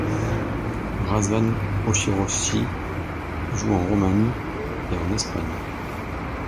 Răzvan Ochiroșii joue en Roumanie et en Espagne.